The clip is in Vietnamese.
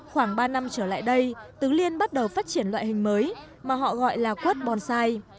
khoảng ba năm trở lại đây tứ liên bắt đầu phát triển loại hình mới mà họ gọi là quất bonsai